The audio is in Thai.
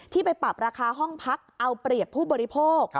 ไปปรับราคาห้องพักเอาเปรียบผู้บริโภค